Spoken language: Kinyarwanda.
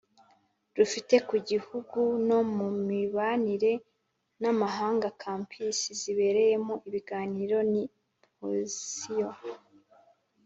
rufite ku gihugu no mu mibanire n amahanga Campus zabereyemo ibiganiro ni posiyo